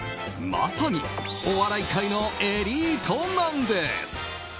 まさにお笑い界のエリートなんです。